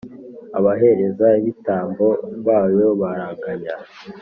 abaherezabitambo bayo baraganya,